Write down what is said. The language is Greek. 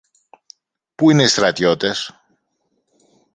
Πού είναι οι στρατιώτες;